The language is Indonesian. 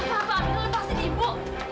apa apa amira lepasin ibu